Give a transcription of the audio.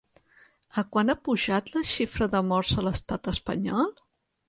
A quant ha pujat la xifra de morts a l'estat espanyol?